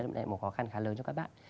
đấy là một khó khăn khá lớn cho các bạn